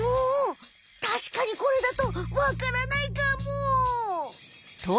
おたしかにこれだとわからないかも。